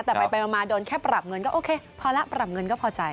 แต่ไปมาโดนแค่ปรับเงินก็โอเคพอแล้วปรับเงินก็พอใจ